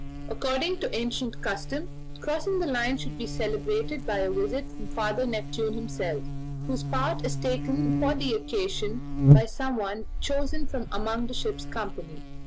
According to ancient custom, crossing the line should be celebrated by a visit from Father Neptune himself, whose part is taken for the occasion by someone chosen from among the ship's company.